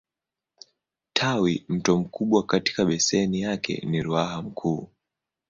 Tawimto mkubwa katika beseni yake ni Ruaha Mkuu.